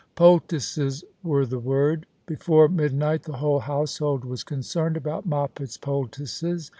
Poultices were the word. Before midnight the whole household was concerned about Moppet's poultices.